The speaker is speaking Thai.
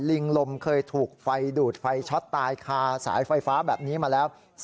ลิงลมเคยถูกไฟดูดไฟช็อตตายคาสายไฟฟ้าแบบนี้มาแล้ว